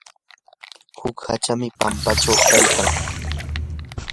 huk hacham pampachaw kaykan.